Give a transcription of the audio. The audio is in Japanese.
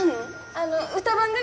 あの歌番組！